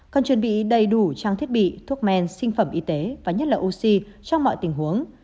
còn chuẩn bị đầy đủ trang thiết bị thuốc men sinh phẩm y tế và nhất là oxy trong mọi tình huống